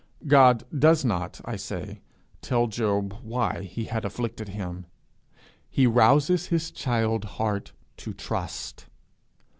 God does not, I say, tell Job why he had afflicted him: he rouses his child heart to trust.